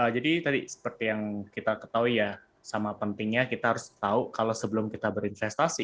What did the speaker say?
jadi tadi seperti yang kita ketahui ya sama pentingnya kita harus tahu kalau sebelum kita berinvestasi